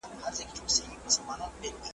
چي هر چا ویل احسان د ذوالجلال وو .